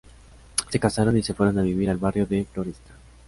Se casaron y se fueron a vivir al barrio de Floresta.